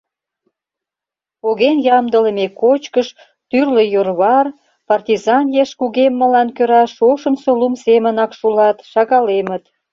Поген ямдылыме кочкыш, тӱрлӧ йӧрвар партизан еш кугеммылан кӧра шошымсо лум семынак шулат, шагалемыт.